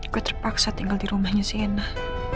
gue terpaksa tinggal di rumahnya si enah